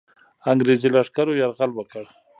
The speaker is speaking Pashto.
انګرېزي لښکرو یرغل وکړ.